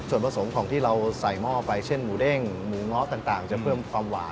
ส่วนผสมของที่เราใส่หม้อไปเช่นหมูเด้งหมูเงาะต่างจะเพิ่มความหวาน